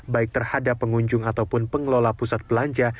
baik terhadap pengunjung ataupun pengelola pusat belanja